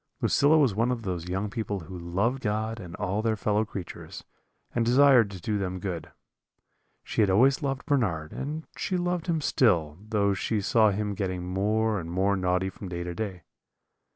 "Lucilla was one of those young people who love God and all their fellow creatures, and desire to do them good. She had always loved Bernard, and she loved him still, though she saw him getting more and more naughty from day to day.